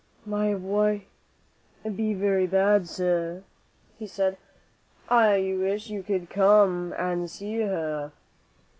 "My wife be very bad, sir," he said. "I wish you could come and see her."